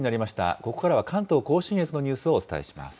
ここからは関東甲信越のニュースをお伝えします。